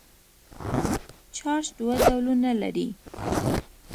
چارج دوه ډولونه لري.